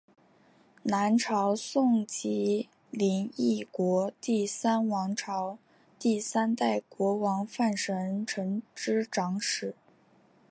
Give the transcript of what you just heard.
南朝宋及林邑国第三王朝第三代国王范神成之长史。